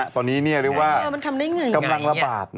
ตอนนี้เรียกว่ากำลังระบาด